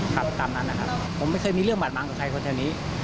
ไปตามนั้นนะครับผมไม่เคยมีเรื่องบาดม้างกับใครคนแถวนี้